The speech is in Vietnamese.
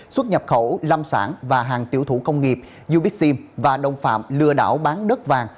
xuất nhập khẩu lâm sản và hàng tiểu thủ công nghiệp ubixim và đồng phạm lừa đảo bán đất vàng